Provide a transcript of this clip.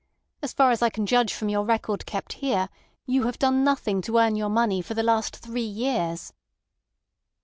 As far as I can judge from your record kept here, you have done nothing to earn your money for the last three years."